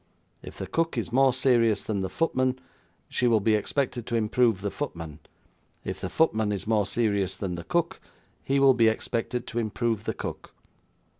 If the cook is more serious than the footman, she will be expected to improve the footman; if the footman is more serious than the cook, he will be expected to improve the cook."